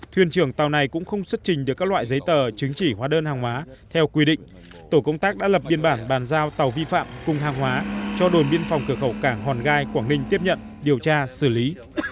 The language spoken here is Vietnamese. thuyền trưởng tàu này cũng không xuất trình được các loại giấy tờ chứng chỉ hóa đơn hàng hóa theo quy định tổ công tác đã lập biên bản bàn giao tàu vi phạm cùng hàng hóa cho đồn biên phòng cửa khẩu cảng hòn gai quảng ninh tiếp nhận điều tra xử lý